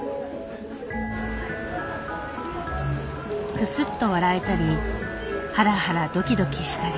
クスッと笑えたりハラハラドキドキしたり。